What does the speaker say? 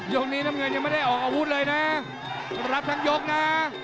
ยกนี้น้ำเงินยังไม่ได้ออกอาวุธเลยนะรับทั้งยกนะ